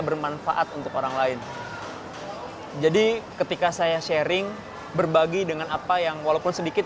bermanfaat untuk orang lain jadi ketika saya sharing berbagi dengan apa yang walaupun sedikit